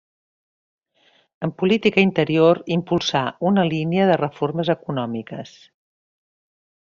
En política interior impulsà una línia de reformes econòmiques.